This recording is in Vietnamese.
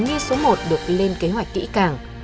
như số một được lên kế hoạch kỹ càng